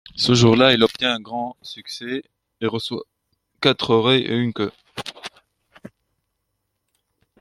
Ce jour-là il obtient un grand succès et reçoit quatre oreilles et une queue.